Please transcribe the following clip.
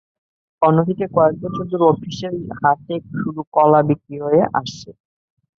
অন্যদিকে কয়েক বছর ধরে অফিসের হাটে শুধু কলা বিক্রি হয়ে আসছে।